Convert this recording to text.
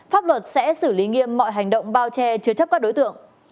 pháp luật sẽ xử lý nghiêm mọi hành động bao che chứa chấp các đối tượng